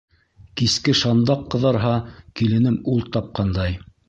Киске шандаҡ ҡыҙарһа, киленем ул тапҡандай